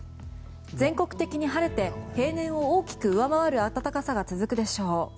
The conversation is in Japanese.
全国的に晴れて平年を大きく上回る暖かさが続くでしょう。